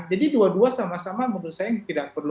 jadi dua dua sama sama menurut saya tidak perlu